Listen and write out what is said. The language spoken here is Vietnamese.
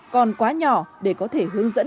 còn quá nhỏ để có thể hướng dẫn